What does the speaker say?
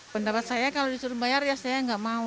pendapat saya kalau disuruh bayar ya saya nggak mau